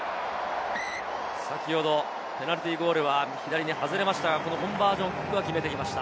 先ほどペナルティーゴールは左に外れましたが、コンバージョンキックは決めてきました。